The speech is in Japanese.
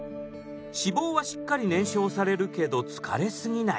脂肪はしっかり燃焼されるけど疲れ過ぎない。